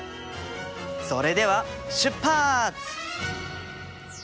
それでは出発！